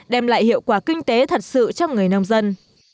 đem lại hiệu quả kinh tế thật sự cho người nông dân